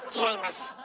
違います。